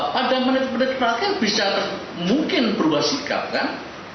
pada menit menit terakhir bisa mungkin berubah sikap kan